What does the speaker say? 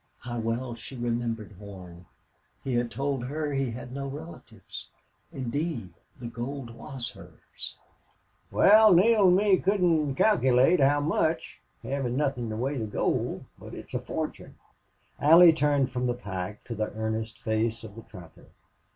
How well she remembered Horn! He had told her he had no relatives. Indeed, the gold was hers. "Wal, Neale an' me couldn't calkilate how much, hevin' nothin' to weigh the gold. But it's a fortune." Allie turned from the pack to the earnest face of the trapper.